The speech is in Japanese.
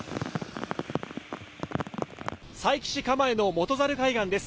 佐伯市かまえの元猿海岸です。